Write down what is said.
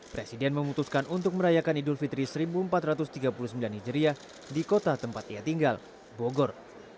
presiden memutuskan untuk merayakan idul fitri seribu empat ratus tiga puluh sembilan hijriah di kota tempat ia tinggal bogor